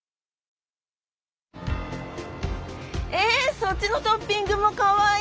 そっちのトッピングもかわいい！